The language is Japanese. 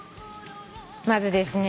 まずですね